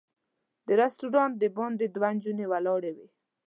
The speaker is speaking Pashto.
د رسټورانټ د باندې دوه نجونې ولاړې وې.